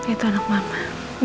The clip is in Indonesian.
itu anak mama